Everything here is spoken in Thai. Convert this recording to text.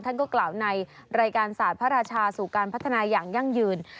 ท่านก็กล่าวในรายการศาสตร์พระราชาสู่การพัฒนาอย่างยั่งยืน